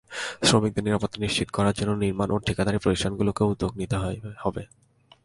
শ্রমিকদের নিরাপত্তা নিশ্চিত করার জন্য নির্মাণ ও ঠিকাদারি প্রতিষ্ঠানগুলোকেও উদ্যোগ নিতে হবে।